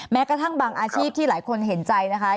แม้กระทั่งบางอาชีพที่หลายคนเห็นใจนะคะ